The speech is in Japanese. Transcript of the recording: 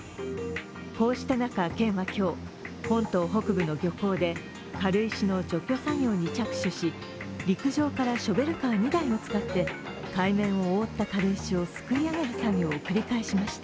こうした中、県は今日、本島北部の漁港で軽石の除去作業に着手し、陸上からショベルカー２台を使って、海面を覆った軽石をすくい上げる作業を繰り返しました。